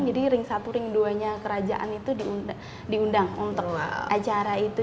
jadi ring satu ring duanya kerajaan itu diundang untuk acara itu